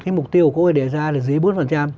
cái mục tiêu của ông ấy đề ra là dưới bốn